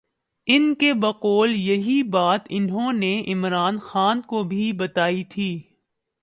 ان کے بقول یہی بات انہوں نے عمران خان کو بھی بتائی تھی۔